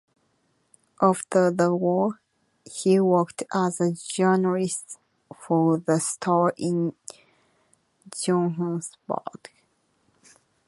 After the war, he worked as a journalist for "The Star" in Johannesburg.